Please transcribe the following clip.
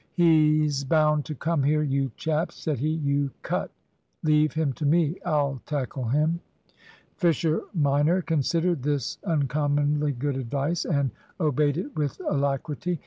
"He's bound to come here, you chaps," said he. "You cut. Leave him to me I'll tackle him." Fisher minor considered this uncommonly good advice, and obeyed it with alacrity.